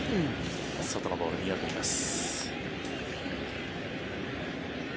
外のボール、見送ります。